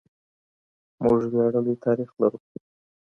موږ وياړلی تاريخ لرو.